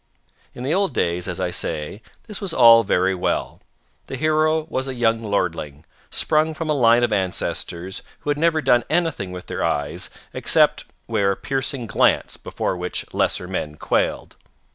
In the old days, as I say, this was all very well. The hero was a young lordling, sprung from a line of ancestors who had never done anything with their eyes except wear a piercing glance before which lesser men quailed.